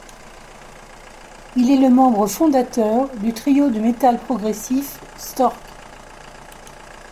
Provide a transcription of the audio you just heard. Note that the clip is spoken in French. Il est le membre fondateur du trio de metal progressif stOrk.